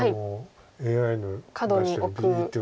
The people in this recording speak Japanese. ＡＩの出してるＢっていうのは。